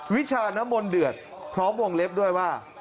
วิชานมลเดือดพร้อมวงเล็บด้วยว่า